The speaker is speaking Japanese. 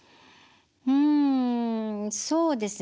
うんそうですね